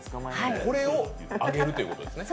これを揚げるということですね。